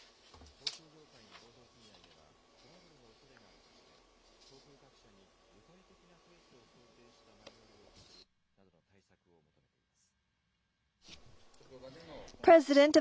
航空業界の労働組合では、トラブルのおそれがあるとして、航空各社に具体的なケースを想定したマニュアルを作るなどの対策を求めています。